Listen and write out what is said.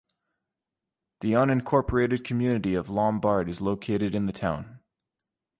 The unincorporated community of Lombard is located in the town.